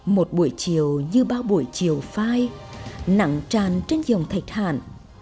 một buổi chiều như bao buổi chiều phai nặng tràn trên dòng thạch hàn